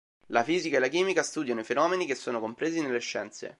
La fisica e la chimica studiano i fenomeni che sono compresi nelle scienze.